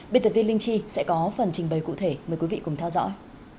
biên tập viên linh chi sẽ có phần trình bày cụ thể mời quý vị cùng theo dõi